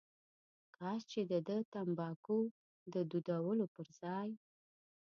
کاش چې دده تنباکو د دودولو پر ځای.